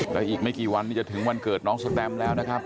แล้วอีกไม่กี่วันนี้จะถึงวันเกิดน้องสแตมแล้วนะครับ